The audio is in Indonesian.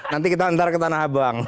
nanti kita antar ke tanah abang